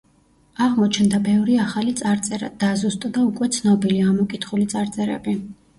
აღმოჩნდა ბევრი ახალი წარწერა, დაზუსტდა უკვე ცნობილი, ამოკითხული წარწერები.